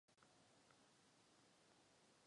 Rozprava byla velmi otevřená.